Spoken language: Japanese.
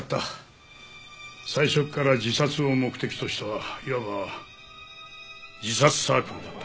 最初から自殺を目的としたいわば自殺サークルだった。